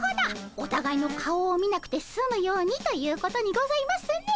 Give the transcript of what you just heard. おたがいの顔を見なくてすむようにということにございますね。